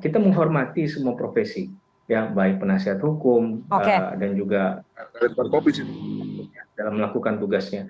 kita menghormati semua profesi ya baik penasihat hukum dan juga terlibat covid dalam melakukan tugasnya